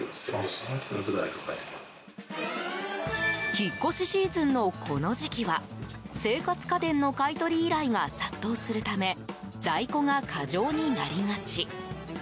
引っ越しシーズンのこの時期は生活家電の買い取り依頼が殺到するため在庫が過剰になりがち。